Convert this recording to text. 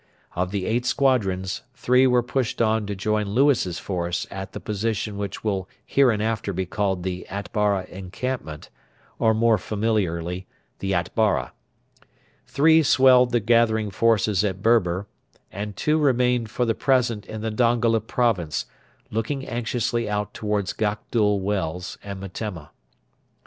Of the eight squadrons, three were pushed on to join Lewis's force at the position which will hereinafter be called 'the Atbara encampment,' or more familiarly 'the Atbara'; three swelled the gathering forces at Berber; and two remained for the present in the Dongola province, looking anxiously out towards Gakdul Wells and Metemma.